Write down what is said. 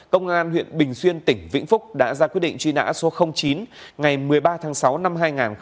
công an huyện bình xuyên tỉnh vĩnh phúc đã ra quyết định truy nã số chín ngày một mươi ba tháng sáu năm hai nghìn một mươi ba